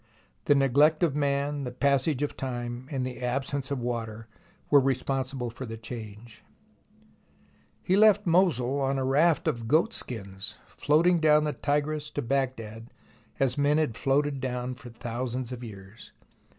The neglect of man, the passage of time, and the absence of water were responsible for the change. He left Mosul on a raft of goatskins, floating down the Tigris to Baghdad as men had floated down for thousands of years.